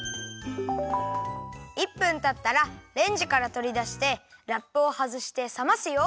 １分たったらレンジからとりだしてラップをはずしてさますよ。